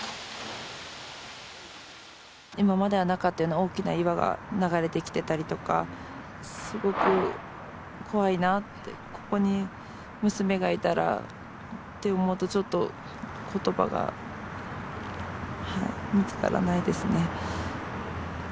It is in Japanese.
今まではなかったような大きな岩が流れてきてたりとか、すごく怖いなって、ここに娘がいたらって思うと、ちょっとことばが見つからないですね。